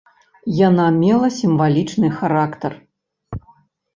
Яна мела сімвалічны характар.